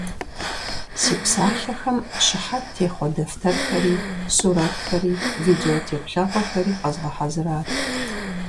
Си псалъэхэм щыхьэт техъуэ дэфтэрхэри, сурэтхэри, видеотеплъэгъуэхэри къэзгъэхьэзырат.